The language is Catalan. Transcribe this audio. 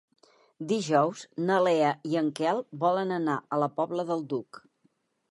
Dijous na Lea i en Quel volen anar a la Pobla del Duc.